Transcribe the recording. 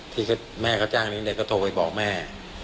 ที่แม่เขาจ้างหนึ่งเด็กก็โทรไปบอกแม่